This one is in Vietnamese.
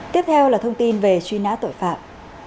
tiếp theo là thông tin về truy nã tội phạm